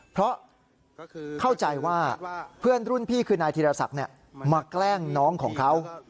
เพราะเข้าใจว่าเพื่อนรุ่นพี่คือนายธีรศักดิ์มาแกล้งน้องของเขา